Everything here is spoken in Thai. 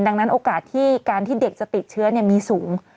ดังนั้นโอกาสที่การที่เด็กจะติดเชื้อมีสูง